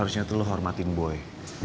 harusnya itu lo hormatin boy